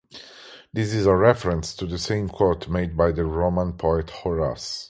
This is a reference to the same quote made by the Roman poet Horace.